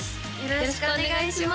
よろしくお願いします